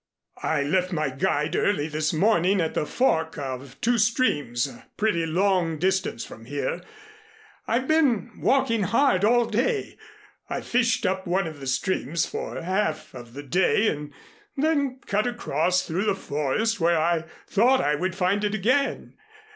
I left my guide early this morning at the fork of two streams a pretty long distance from here. I've been walking hard all day. I fished up one of the streams for half of the day and then cut across through the forest where I thought I would find it again.